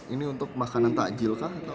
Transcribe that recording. ini untuk makanan takjil kah atau